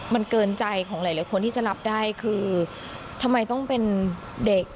มันเกินใจของหลายคนที่จะรับได้คือทำไมต้องเป็นเด็ก